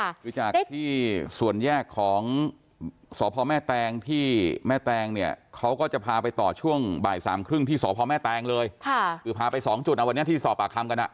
คือจากที่ส่วนแยกของสพแม่แตงที่แม่แตงเนี่ยเขาก็จะพาไปต่อช่วงบ่ายสามครึ่งที่สพแม่แตงเลยค่ะคือพาไปสองจุดอ่ะวันนี้ที่สอบปากคำกันอ่ะ